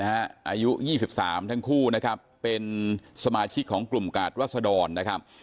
อายุ๒๓ทั้งคู่นะครับเป็นสมาชิกของกลุ่มกาดรัศดรนะครับ